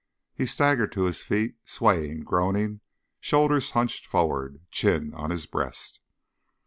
He staggered to his feet, swaying, groaning, shoulders hunched forward, chin on his breast.